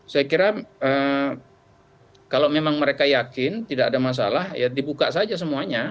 saya kira kalau memang mereka yakin tidak ada masalah ya dibuka saja semuanya